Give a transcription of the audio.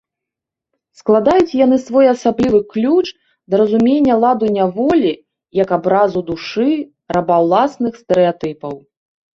Складаюць яны своеасаблівы ключ да разумення ладу няволі як абразу душы раба уласных стэрэатыпаў.